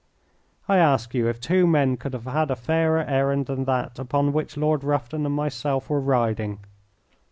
I ask you if two men could have had a fairer errand than that upon which Lord Rufton and myself were riding.